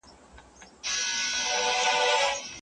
خره به کورته هره ورځ راوړل بارونه